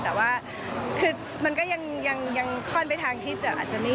แต่ว่ามันก็ยังคล่อนไปทางที่จะอาจจะไม่มี